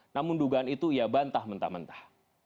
namun dugaan itu ia bantah mentah mentah